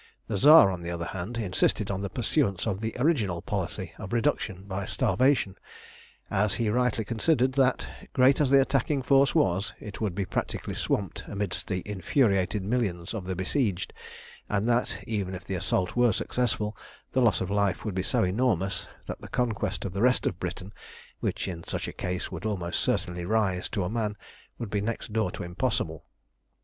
The Tsar, on the other hand, insisted on the pursuance of the original policy of reduction by starvation, as he rightly considered that, great as the attacking force was, it would be practically swamped amidst the infuriated millions of the besieged, and that, even if the assault were successful, the loss of life would be so enormous that the conquest of the rest of Britain which in such a case would almost certainly rise to a man would be next door to impossible.